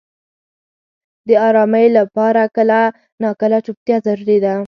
• د آرامۍ لپاره کله ناکله چوپتیا ضروري ده.